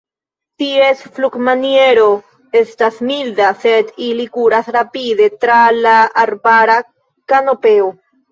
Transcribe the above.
Ties flugmaniero estas milda, sed ili kuras rapide tra la arbara kanopeo.